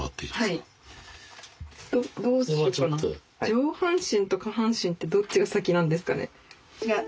上半身と下半身ってどっちが先なんですかね？